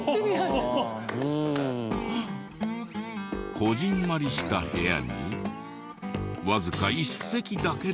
こぢんまりした部屋にわずか１席だけで。